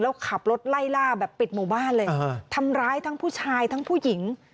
แล้วขับรถไล่ล่าแบบปิดหมู่บ้านเลยทำร้ายทั้งผู้ชายทั้งผู้หญิง